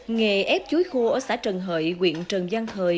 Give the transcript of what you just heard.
nghề ép chuối khô ở xã trần hợi quyện trần giang thời